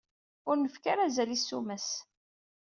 Ur nefka ara azal i ssuma-s.